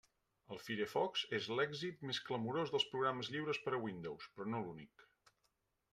El Firefox és l'èxit més clamorós dels programes lliures per a Windows, però no l'únic.